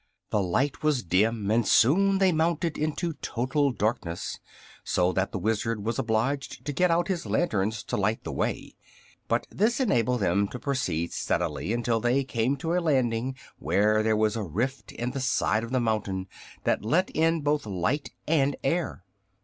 The light was dim, and soon they mounted into total darkness, so that the Wizard was obliged to get out his lanterns to light the way. But this enabled them to proceed steadily until they came to a landing where there was a rift in the side of the mountain that let in both light and air.